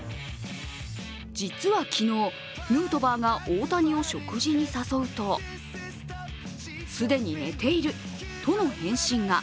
実は昨日、ヌートバーが大谷を食事に誘うと既に寝ているとの返信が。